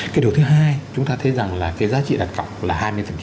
cái điều thứ hai chúng ta thấy rằng là cái giá trị đặt cọc là hai mươi